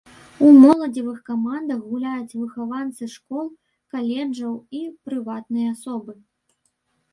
У моладзевых камандах гуляюць выхаванцы школ, каледжаў і прыватныя асобы.